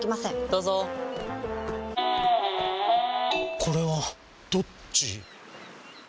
どうぞこれはどっち？